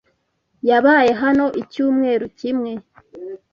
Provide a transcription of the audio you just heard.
Yabaye hano icyumweru kimwe.